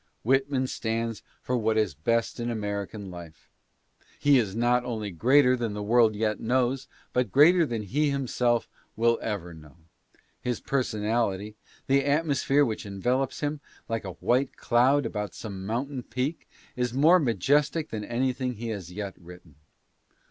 Whitman stands for what is best in American life. He is not only greater than the world yet knows, but greater than he himself will ever know. His personality — the atmosphere that envelops him, like a white cloud about some mountain peak — is more majestic than anything he has yet written.